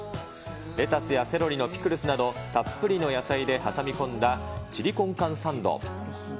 レタスやセロリのピクルスなどたっぷりの野菜で挟み込んだ、チリコンカンサンド。